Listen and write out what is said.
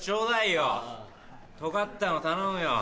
とがったの頼むよ。